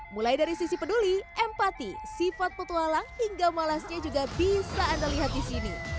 mulai dari sisi peduli empati sifat petualang hingga malasnya juga bisa anda lihat di sini